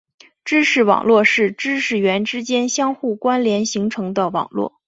知识网络是知识元之间相互关联形成的网络。